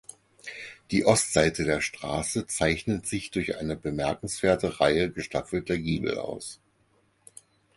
Die Ostseite der Straße zeichnet sich durch eine bemerkenswerte Reihe gestaffelter Giebel aus.